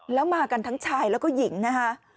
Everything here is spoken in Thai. แล้วมากันทั้งชายแล้วก็หญิงนะคะ